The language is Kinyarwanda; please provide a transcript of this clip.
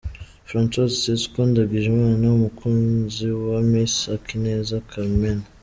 Francois Cesco Ndagijimana umukunzi wa Miss Akineza Carmen.